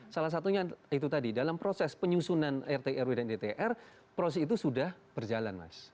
salah satunya itu tadi dalam proses penyusunan rt rw dan dtr proses itu sudah berjalan mas